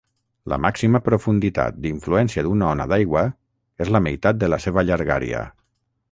La màxima profunditat d'influència d'una ona d'aigua és la meitat de la seva llargària.